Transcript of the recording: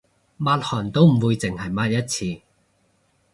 抹汗都唔會淨係抹一次